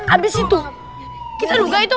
habis itu kita duga itu